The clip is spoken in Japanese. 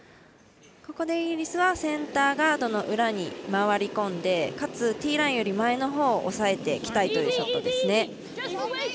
ここでイギリスはセンターガードの裏に回り込んでかつ、ティーラインより前のほうを押さえてきたいというショットですね。